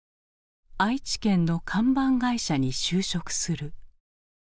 愛知県の看板会社に就職する。